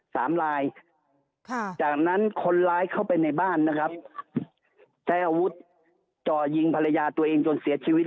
สามลายค่ะจากนั้นคนร้ายเข้าไปในบ้านนะครับใช้อาวุธจ่อยิงภรรยาตัวเองจนเสียชีวิต